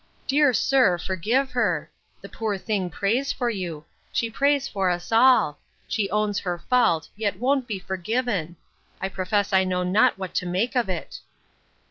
Dear sir, forgive her! The poor thing prays for you; she prays for us all! She owns her fault; yet won't be forgiven! I profess I know not what to make of it.